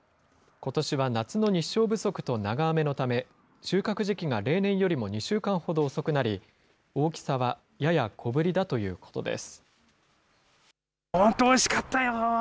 ことしは夏の日照不足と長雨のため、収穫時期が例年よりも２週間ほど遅くなり、大きさはやや小ぶりだということです。